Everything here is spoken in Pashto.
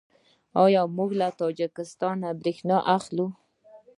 آیا موږ له تاجکستان بریښنا اخلو؟